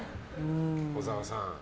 小沢さん。